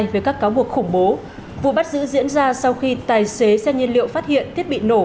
về các cáo buộc khủng bố vụ bắt giữ diễn ra sau khi tài xế xe nhiên liệu phát hiện thiết bị nổ